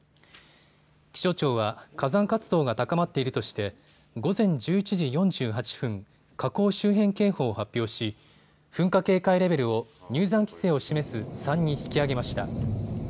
気象庁は火山活動が高まっているとして午前１１時４８分、火口周辺警報を発表し、噴火警戒レベルを入山規制を示す３に引き上げました。